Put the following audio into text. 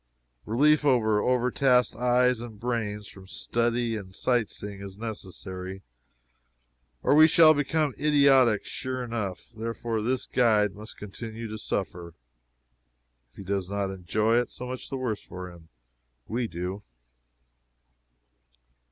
Relief for overtasked eyes and brain from study and sightseeing is necessary, or we shall become idiotic sure enough. Therefore this guide must continue to suffer. If he does not enjoy it, so much the worse for him. We do.